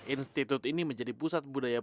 institut ini menjadi pusat budaya